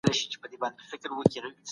ټولنیز علوم پرمختګ کوي.